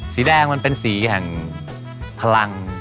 สีแดงมันเป็นสีแห่งพลัง